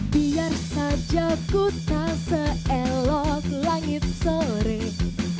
biar saja ku tak seelok langit sore